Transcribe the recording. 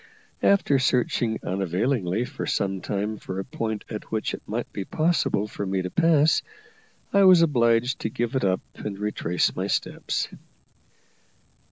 After searching unavailingly for some time for a point at which it might be possible for me to pass, I was obliged to give it up and retrace my steps.